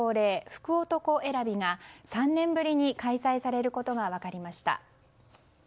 福男選びが３年ぶりに開催されることが分かりました。